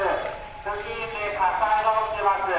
付近にて火災が起きています。